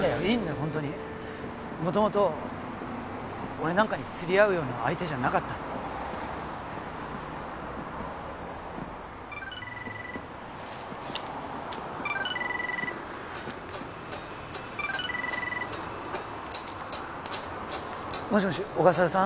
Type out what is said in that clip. ホントに元々俺なんかに釣り合うような相手じゃなかったもしもし小笠原さん